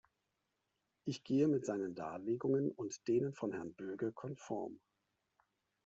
Ich gehe mit seinen Darlegungen und denen von Herrn Böge konform.